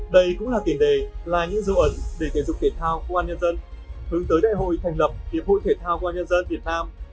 đây cũng là tiền đề là những dấu ẩn để thể dục thể thao công an nhân dân hướng tới đại hội thành lập hiệp hội thể thao công an nhân dân việt nam